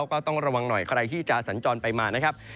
ก็ต้องระวังหน่อยใครที่จะสัญจรไปมานะครับ